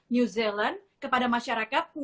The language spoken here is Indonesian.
new zealand kepada masyarakat